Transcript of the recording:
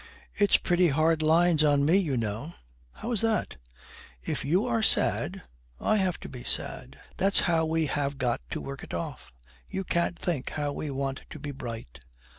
'It's pretty hard lines on me, you know.' 'How is that?' 'If you are sad, I have to be sad. That's how we have got to work it off. You can't think how we want to be bright.'